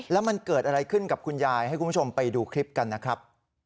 แล้วมันเกิดอะไรขึ้นกับคุณยายให้คุณผู้ชมไปดูคลิปกันนะครับ